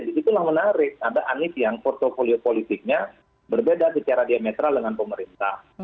disitulah menarik ada anies yang portfolio politiknya berbeda secara diametral dengan pemerintah